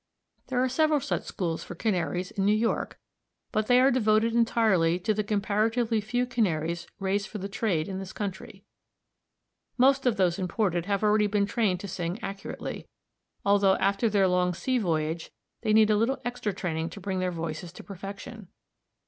There are several such schools for canaries in New York, but they are devoted entirely to the comparatively few Canaries raised for the trade in this country. Most of those imported have already been trained to sing accurately, although after their long sea voyage they need a little extra training to bring their voices to perfection.